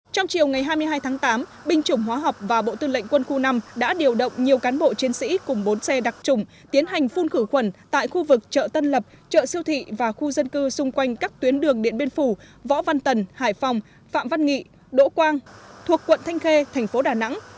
trong chiều ngày hai mươi hai tháng tám binh chủng hóa học và bộ tư lệnh quân khu năm đã điều động nhiều cán bộ chiến sĩ cùng bốn xe đặc trùng tiến hành phun khử khuẩn tại khu vực chợ tân lập chợ siêu thị và khu dân cư xung quanh các tuyến đường điện biên phủ võ văn tần hải phòng phạm văn nghị đỗ quang thuộc quận thanh khê thành phố đà nẵng